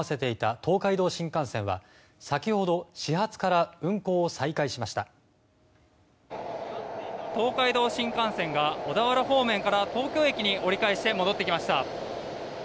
東海道新幹線が小田原方面から東京駅に折り返してきました。